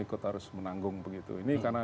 ikut harus menanggung begitu ini karena